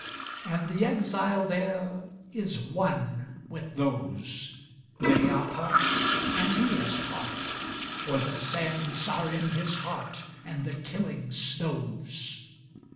And the exile thereIs one with those; They are part, and he is part, For the sands are in his heart, And the killing snows.